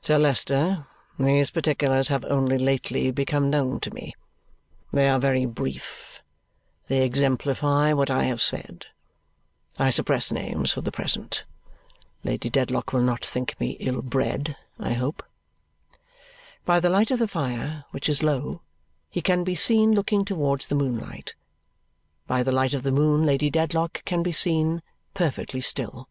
Sir Leicester, these particulars have only lately become known to me. They are very brief. They exemplify what I have said. I suppress names for the present. Lady Dedlock will not think me ill bred, I hope?" By the light of the fire, which is low, he can be seen looking towards the moonlight. By the light of the moon Lady Dedlock can be seen, perfectly still.